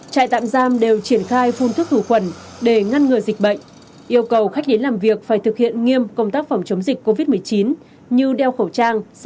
trại tạm giam công an tỉnh quảng ngãi chuẩn bị sẵn sàng thuốc hóa chất vật tự y tế và khu vực tạp